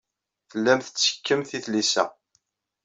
Tellamt tettekkemt i tlisa.